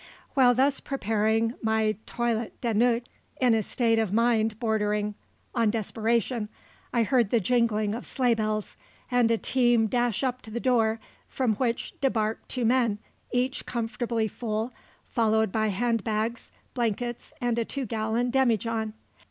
While thus preparing my toilette de nuit, in a state of mind bordering on desperation, I heard the jingling of sleigh bells, and a team dash up to the door, from which debarked two men, each comfortably full, followed by hand bags, blankets and a two gallon demijohn.